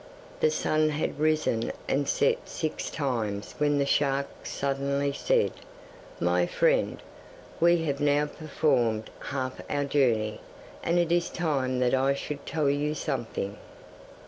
The sun had risen and set six times when the shark suddenly said, 'My friend, we have now performed half our journey, and it is time that I should tell you something.